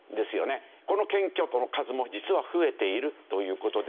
この検挙の数も実は増えているという事です。